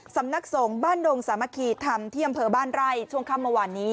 สำนักส่งบ้านดงสามะคีทำเทียมเผอบ้านไร่ช่วงคำว่านนี้